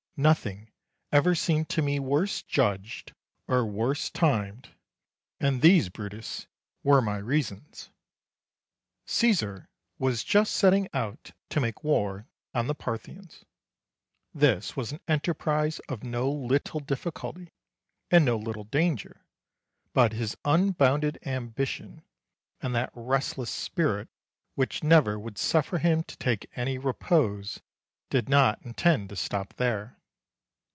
Nothing ever seemed to me worse judged or worse timed; and these, Brutus, were my reasons. Caesar was just setting out to make war on the Parthians. This was an enterprise of no little difficulty and no little danger; but his unbounded ambition, and that restless spirit which never would suffer him to take any repose, did not intend to stop there.